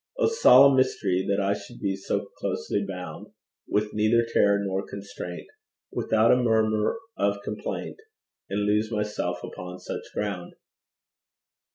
Oh, solemn mystery! That I should be so closely bound With neither terror nor constraint Without a murmur of complaint, And lose myself upon such ground!